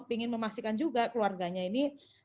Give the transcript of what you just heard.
ingin memastikan juga keluarganya ini